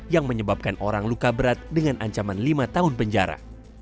yang menyebabkan orang luka berat dengan ancaman lima tahun penjara